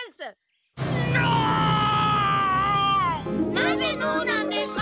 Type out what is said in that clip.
なぜ「ノー」なんですか！？